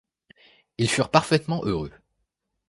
Ils furent parfaitement heureux.